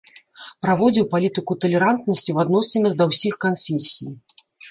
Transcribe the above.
Праводзіў палітыку талерантнасці ў адносінах да ўсіх канфесій.